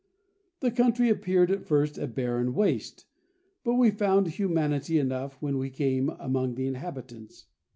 The country appeared at first a barren waste, but we found humanity enough when we came among the inhabitants.